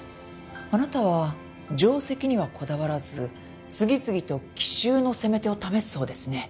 あなたは定跡にはこだわらず次々と奇襲の攻め手を試すそうですね。